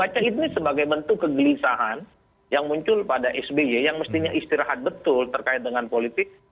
baca ini sebagai bentuk kegelisahan yang muncul pada sby yang mestinya istirahat betul terkait dengan politik